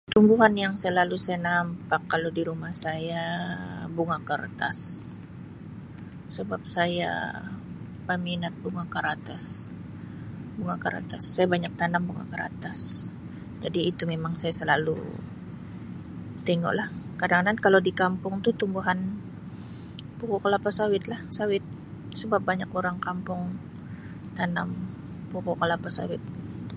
Tumbuhan yang selalu saya nampak kalau di rumah saya bunga kertas sebab saya peminat bunga keratas bunga keratas saya banyak tanam bunga keratas jadi itu memang saya selalu tengoklah kadang-kadang kalau di kampung tu tumbuhan pokok kelapa sawitlah sawit sebab banyak orang kampung tanam pokok kelapa sawit.